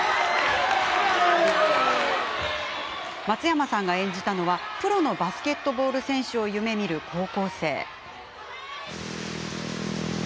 松山さんが演じたのはプロのバスケットボール選手を夢みる高校生。